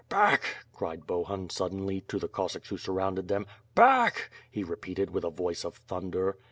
back!" cried Tiohun, suddenly, to the Cossacks who surrounded them. "Back!" he repeated with a voice of thunder.